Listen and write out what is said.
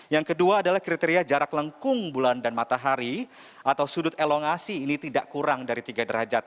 yang kedua adalah kriteria jarak lengkung bulan dan matahari atau sudut elongasi ini tidak kurang dari tiga derajat